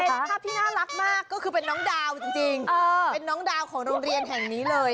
ในภาพที่น่ารักมากก็คือเป็นน้องดาวจริง